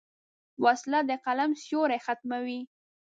وسله د قلم سیوری ختموي